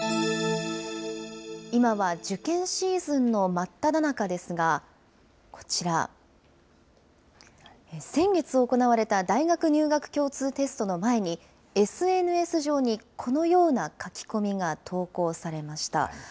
今は受験シーズンの真っただ中ですが、こちら、先月行われた大学入学共通テストの前に、ＳＮＳ上にこのような書き込みが投稿されました。